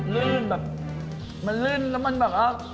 ลื่นแบบมันลื่นแล้วมันแบบว่า